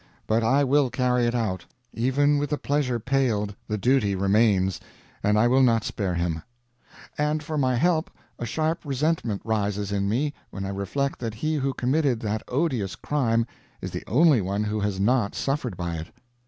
But I will carry it out. Even with the pleasure paled, the duty remains, and I will not spare him. And for my help, a sharp resentment rises in me when I reflect that he who committed that odious crime is the only one who has not suffered by it.